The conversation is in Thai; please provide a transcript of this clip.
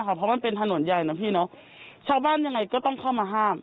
เพราะมันเป็นถนนใหญ่นะพี่เนอะชาวบ้านยังไงก็ต้องเข้ามาห้าม